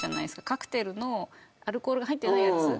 カクテルのアルコールが入ってないやつ。